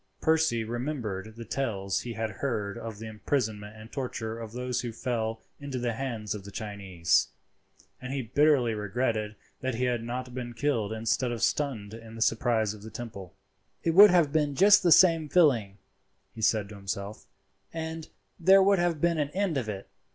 Percy remembered the tales he had heard of the imprisonment and torture of those who fell into the hands of the Chinese, and he bitterly regretted that he had not been killed instead of stunned in the surprise of the temple. "It would have been just the same feeling," he said to himself, "and there would have been an end of it.